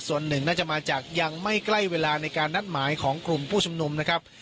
ส่วนหนึ่งน่าจะมาจากยังไม่ใกล้เวลาในการนัดหมายของกลุ่มผู้ชุมนุมนะครับ